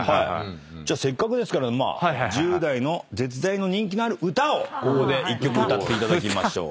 じゃあせっかくですから１０代に絶大な人気のある歌をここで歌っていただきましょう。